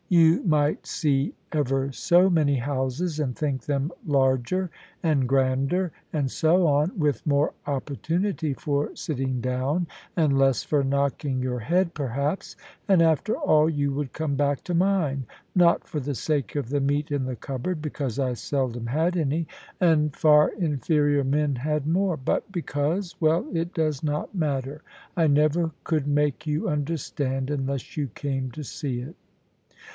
You might see ever so many houses, and think them larger, and grander, and so on, with more opportunity for sitting down, and less for knocking your head perhaps; and after all you would come back to mine. Not for the sake of the meat in the cupboard because I seldom had any, and far inferior men had more; but because well, it does not matter. I never could make you understand, unless you came to see it.